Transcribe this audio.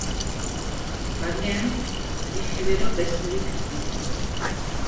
Barnean bi genero besterik ez ditu.